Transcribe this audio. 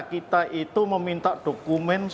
kita itu meminta dokumen